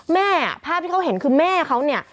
แม่ภาพที่เขาเห็นคือแม่เขาเนี่ย